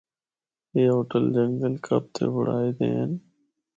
A hotel جنگل کپ تے بنڑائے دے ہن۔